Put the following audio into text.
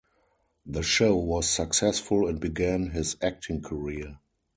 The show was successful and began his acting career.